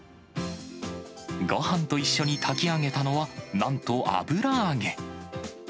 ごはんと一緒に炊き上げたのは、なんと油揚げ。